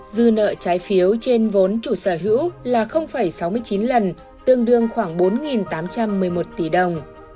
dư nợ trái phiếu trên vốn chủ sở hữu là sáu mươi chín lần tương đương khoảng bốn tám trăm một mươi một tỷ đồng